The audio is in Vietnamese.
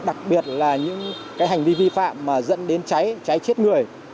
đặc biệt là những cái hành vi vi phạm mà dẫn đến cháy chết người